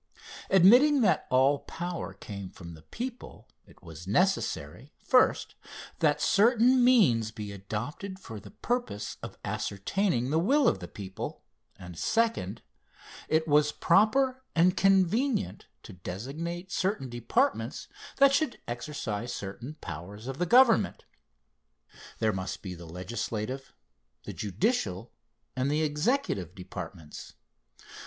Admitting that all power came from the people, it was necessary, first, that certain means be adopted for the purpose of ascertaining the will of the people, and second, it was proper and convenient to designate certain departments that should exercise certain powers of the Government. There must be the legislative, the judicial and the executive departments.